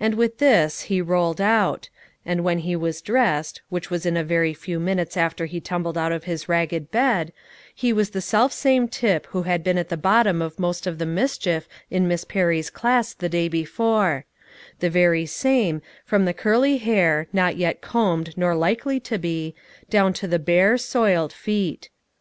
And with this he rolled out; and when he was dressed, which was in a very few minutes after he tumbled out of his ragged bed, he was the self same Tip who had been at the bottom of most of the mischief in Miss Perry's class the day before, the very same, from the curly hair, not yet combed nor likely to be, down to the bare, soiled feet.